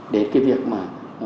đến cái việc mà